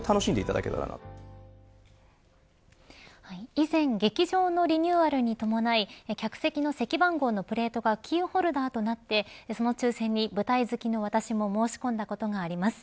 以前劇場のリニューアルに伴い客席の席番号のプレートがキーホルダーとなってその抽選に、舞台好きの私も申し込んだことがあります。